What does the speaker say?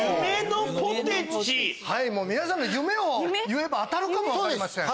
皆さんの夢を言えば当たるかも分かりません。